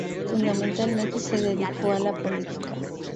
Fundamentalmente se dedicó a la política.